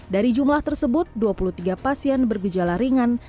dari jumlah tersebut dua puluh tiga pasien bergejala ringan